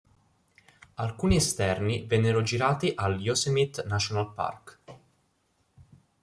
Alcuni esterni vennero girati al Yosemite National Park.